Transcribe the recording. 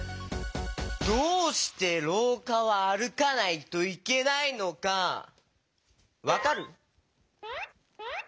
どうしてろうかはあるかないといけないのかわかる？